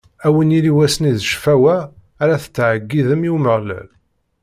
Ad wen-yili wass-nni d ccfawa ara tettɛeggidem i Umeɣlal.